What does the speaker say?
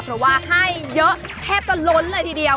เพราะว่าให้เยอะแทบจะล้นเลยทีเดียว